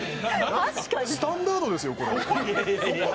スタンダードですよ、これ。